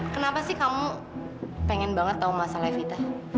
kenapa sih kamu pengen banget tahu masalah evita